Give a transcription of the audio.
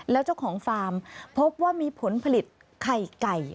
แล้วเจ้าของฟาร์มพบว่ามีผลผลิตไข่ไก่